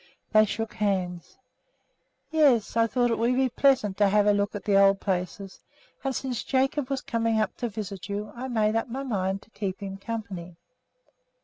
They shook hands. "Yes; I thought it would be pleasant to have a look at the old places again; and since Jacob was coming up to visit you, I made up my mind to keep him company."